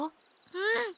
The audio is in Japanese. うん！